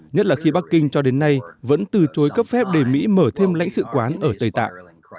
nhất là khi bắc kinh cho đến nay vẫn từ chối cấp phép để mỹ mở thêm lãnh sự quán ở tây tạng